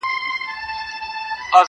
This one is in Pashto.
ما ویل زه به ستا د شپې په زړه کي-